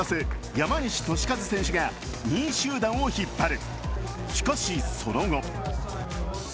山西利和選手が２位集団を引っ張る。